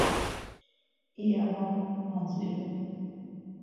iya va madziru.